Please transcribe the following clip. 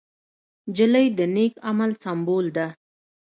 نجلۍ د نېک عمل سمبول ده.